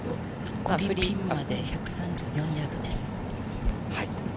ピンまで１３４ヤードです。